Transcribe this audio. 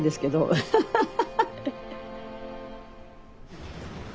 アハハハハ！